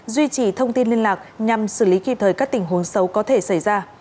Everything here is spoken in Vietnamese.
duy trì thông tin liên lạc nhằm xử lý kịp thời các tình huống xấu có thể xảy ra